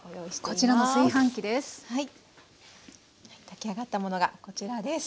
炊き上がったものがこちらです。